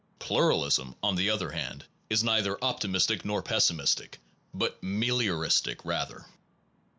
Pluralism, on the other hand, is neither optimistic nor pessimistic, but melioristic, rather.